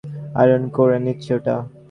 Iron করে নিচ্ছি ওটা।